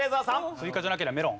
すいかじゃなけりゃメロン。